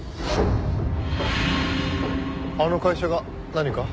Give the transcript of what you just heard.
あの会社が何か？